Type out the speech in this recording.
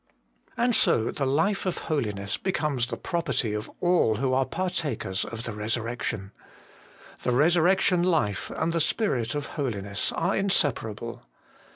And so the Life of Holiness becomes the property of all who are partakers of the resurrec tion. The Eesurrection Life and the Spirit of Holiness are inseparable.